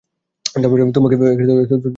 তোমাকে গ্রেপ্তার করা হলো।